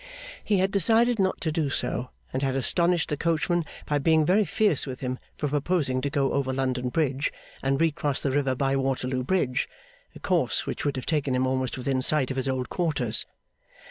He had decided not to do so; and had astonished the coachman by being very fierce with him for proposing to go over London Bridge and recross the river by Waterloo Bridge a course which would have taken him almost within sight of his old quarters.